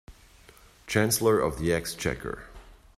Chancellor of the Exchequer